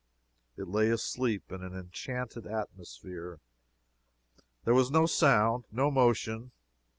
It lay asleep in an enchanted atmosphere. There was no sound, no motion.